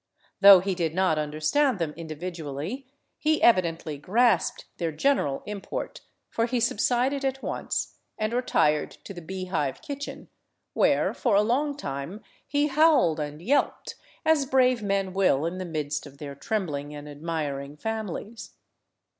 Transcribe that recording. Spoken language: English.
Though he did not understand them individually, he evidently grasped their general import, for he subsided at once, and retired to the bee hive kitchen, where for a long time he howled and yelped, as brave men ^ill in the midst of their trembling and admiring families.